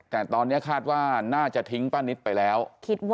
แต่ตอนนี้คาดว่าน่าจะทิ้งป้านิตไปแล้ว